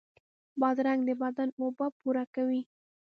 بادرنګ د بدن اوبه پوره کوي.